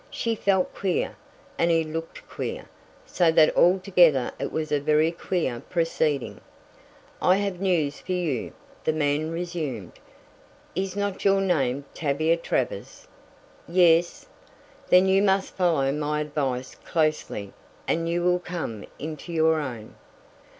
She felt queer, and he looked queer, so that altogether it was a very queer proceeding. "I have news for you," the man resumed. "Is not your name Tavia Travers?" "Yes." "Then you must follow my advice closely and you will come into your own.